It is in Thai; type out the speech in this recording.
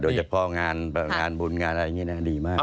โดยเฉพาะงานบุญงานอะไรอย่างนี้นะดีมาก